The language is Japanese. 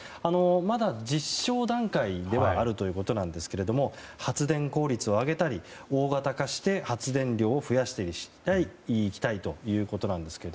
まだ実証段階ではあるということなんですが発電効率を上げたり、大型化して発電量を増やしていきたいということですが。